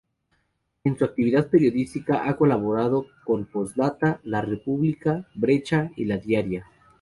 En su actividad periodística ha colaborado con "Posdata", "La República", "Brecha" y "La Diaria".